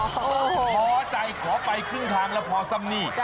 พอใจขอไปครึ่งทางแล้วพอซ้ำนี่